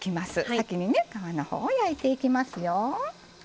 先にね皮のほうを焼いていきますよ。